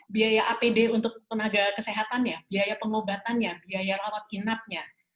biaya apd untuk tenaga kesehatannya biaya pengobatannya biaya rawat inapnya